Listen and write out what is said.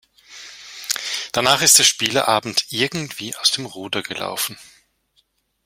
Danach ist der Spieleabend irgendwie aus dem Ruder gelaufen.